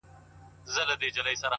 زه درته دعا سهار ماښام كوم،